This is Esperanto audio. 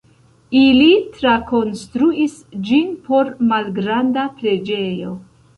Ili trakonstruis ĝin por malgranda preĝejo.